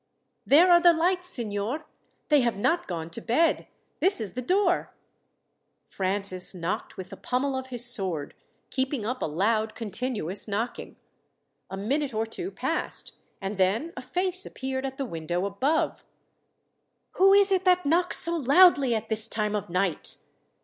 "There are the lights, signor. They have not gone to bed. This is the door." Francis knocked with the pommel of his sword, keeping up a loud continuous knocking. A minute or two passed, and then a face appeared at the window above. "Who is it that knocks so loudly at this time of night?"